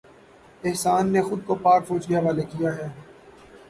احسان نے خود کو پاک فوج کے حوالے کیا ہے